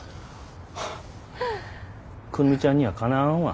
久留美ちゃんにはかなわんわ。